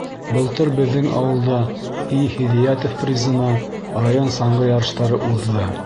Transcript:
Былтыр беҙҙең ауылда И. Һиҙиәтов призына район саңғы ярыштары уҙҙы.